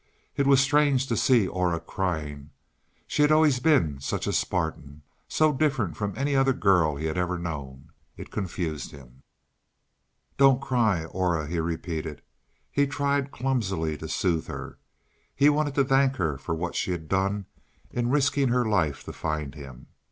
It was strange to see Aura crying; she had always been such a Spartan, so different from any other girl he had ever known. It confused him. "Don't cry, Aura," he repeated. He tried clumsily to soothe her. He wanted to thank her for what she had done in risking her life to find him.